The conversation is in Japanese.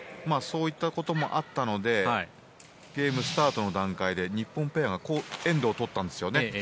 そういったこともあったのでゲームスタートの段階で日本ペアが好エンドを取ったんですね。